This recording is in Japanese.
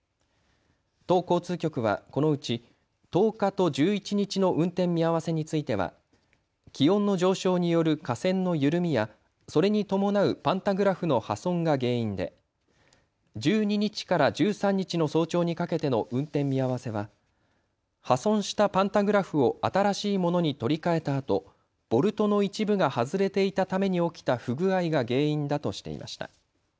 都交通局はこのうち１０日と１１日の運転見合わせについては気温の上昇による架線の緩みやそれに伴うパンタグラフの破損が原因で１２日から１３日の早朝にかけての運転見合わせは破損したパンタグラフを新しいものに取り替えたあとボルトの一部が外れていたために起きた不具合が原因だとしていました。